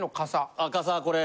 ああ傘これ。